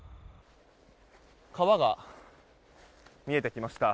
川が見えてきました。